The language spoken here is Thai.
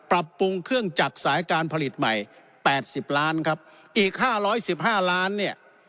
ปรับปรุงเครื่องจักรสายการผลิตใหม่๘๐ล้านครับอีก๕๑๕ล้านเนี่ย